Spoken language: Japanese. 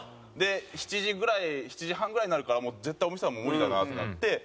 で７時ぐらい７時半ぐらいになるからもう絶対お店は無理だなってなって。